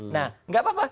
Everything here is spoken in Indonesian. nah tidak apa apa